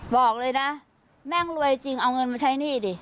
บอกเลยนะแม่งรวยจริงเอาเงินมาใช้หนี้ดิ